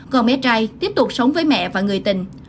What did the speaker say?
con bé trai tiếp tục sống với mẹ và người tình